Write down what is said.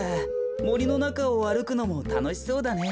もりのなかをあるくのもたのしそうだね。